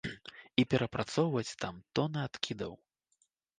І перапрацоўваць там тоны адкідаў.